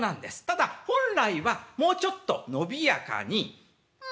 ただ本来はもうちょっと伸びやかに。